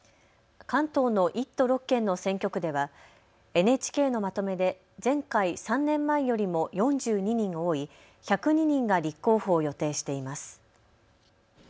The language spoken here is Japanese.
関東の１都６県の選挙区ではＮＨＫのまとめで前回３年前よりも４２人多い１０２人が立候補を予定しています。